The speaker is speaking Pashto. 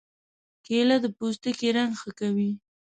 کېله د پوستکي رنګ ښه کوي.